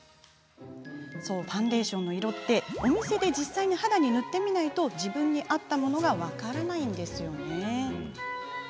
ファンデーションの色ってお店で肌に塗らないと自分に合ったものが分からないですよね。